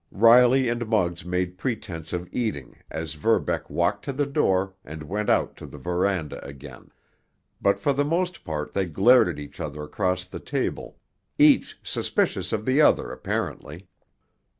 Riley and Muggs made pretense of eating as Verbeck walked to the door and went out on the veranda again, but for the most part they glared at each other across the table, each suspicious of the other apparently.